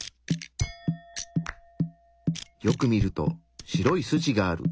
よく見ると白い筋がある。